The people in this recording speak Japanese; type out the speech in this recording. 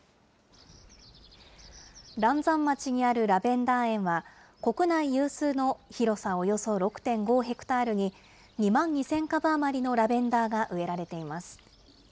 嵐山町にあるラベンダー園は、国内有数の広さおよそ６．５ヘクタールに、２万２０００株余りのラベンダーが植えられています。